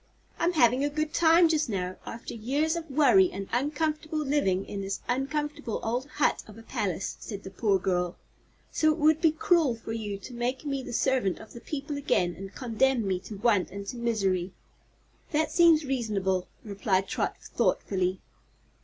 "I'm having a good time, just now, after years of worry and uncomfortable living in this uncomfortable old hut of a palace," said the poor girl, "so it would be cruel for you to make me the servant of the people again and condemn me to want and misery." "That seems reason'ble," replied Trot, thoughtfully.